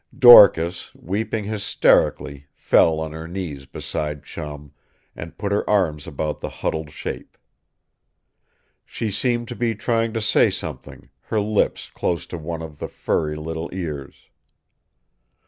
Dorcas, weeping hysterically, fell on her knees beside Chum and put her arms about the huddled shape. She seemed to be trying to say something, her lips close to one of the furry little ears.